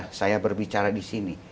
apakah sesudah saya berbicara disini